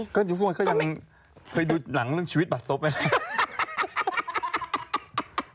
เขายังค่อยดูหนังเรื่องชีวิตบัดโซบไหม